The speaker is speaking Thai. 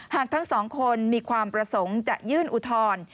หากทั้งสองคนมีความประสงค์จะยื่นอุทธรณ์